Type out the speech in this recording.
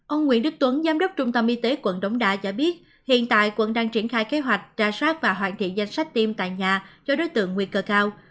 ông nguyễn đức tuấn giám đốc trung tâm y tế quận đống đa cho biết hiện tại quận đang triển khai kế hoạch trà sát và hoàn thiện danh sách tiêm tại nhà cho đối tượng nguy cơ cao